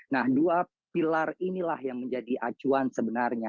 nah dua pilar inilah yang menjadi acuan sebenarnya